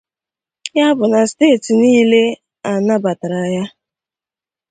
Ya bụ na steeti niile a nabàtàrà ya